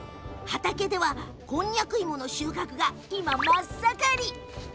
畑ではこんにゃく芋の収穫が真っ盛り。